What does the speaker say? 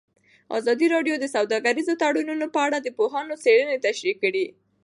ازادي راډیو د سوداګریز تړونونه په اړه د پوهانو څېړنې تشریح کړې.